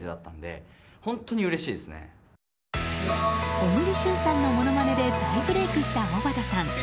小栗旬さんのものまねで大ブレークした、おばたさん。